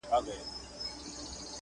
هره شپه به وي خپړي په نوکرځو!